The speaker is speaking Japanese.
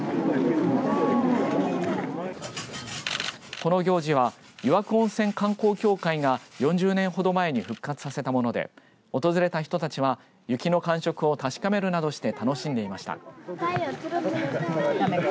この行事は、湯涌温泉観光協会が４０年ほど前に復活させたもので訪れた人たちは雪の感触を確かめるなどして楽しんでいました。